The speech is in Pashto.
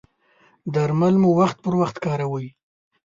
درمل مو وخت پر وخت کاروئ؟